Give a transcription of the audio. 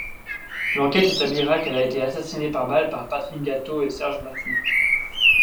L'enquête établira qu'elle a été assassinée par balle par Patrick Gateau et Serge Mathey.